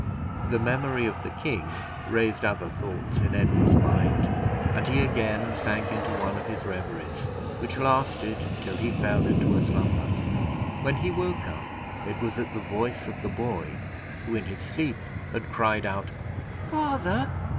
The memory of the king raised other thoughts in Edward's mind, and he again sunk into one of his reveries, which lasted till he fell into a slumber. When he woke up, it was at the voice of the boy, who in his sleep had cried out "Father!"